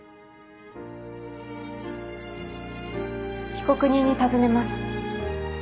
被告人に尋ねます。